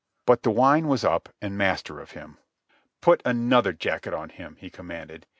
But the wine was up and master of him. "Put another jacket on him," he commanded.